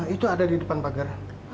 itu ada di depan pagar